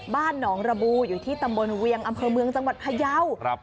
บ้านหนองระบูอยู่ที่ตำบลเวียงอำเภอเมืองจังหวัดพยาว